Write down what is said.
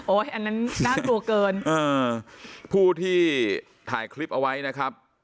อันนั้นน่ากลัวเกินเออผู้ที่ถ่ายคลิปเอาไว้นะครับ